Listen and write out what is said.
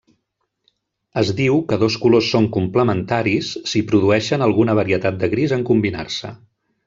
Es diu que dos colors són complementaris si produeixen alguna varietat de gris en combinar-se.